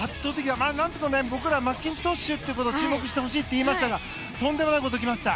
なんとか僕らはマッキントッシュということを注目してほしいと言いましたがとんでもないことが起きました。